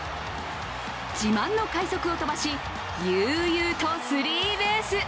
自慢の快足を飛ばし、悠々とスリーベース。